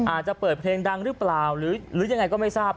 อาจจะเปิดเพลงดังหรือเปล่าหรือยังไงก็ไม่ทราบ